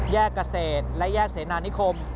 เกษตรและแยกเสนานิคม